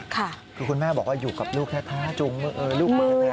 คือคุณแม่บอกว่าอยู่กับลูกแท้จุงมือลูกมาแท้